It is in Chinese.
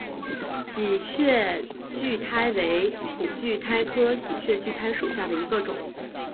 喜鹊苣苔为苦苣苔科喜鹊苣苔属下的一个种。